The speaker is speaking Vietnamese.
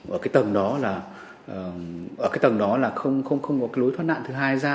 ở cái tầng đó là không có lối thoát nạn thứ hai ra